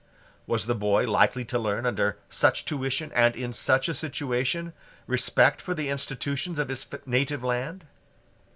Was the boy likely to learn, under such tuition and in such a situation, respect for the institutions of his native land?